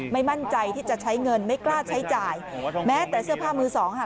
ไม่มั่นใจที่จะใช้เงินไม่กล้าใช้จ่ายแม้แต่เสื้อผ้ามือสองค่ะ